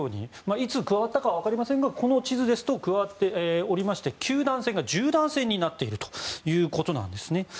いつ加わったかは分かりませんがこの地図では加わっておりまして九段線が十段線になっているということです。